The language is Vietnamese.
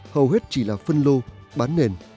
hầu hết chỉ là phân lô bán nền